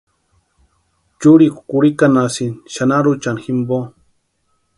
Churikwa kurhikanhasïnti xanaruchani jimpo.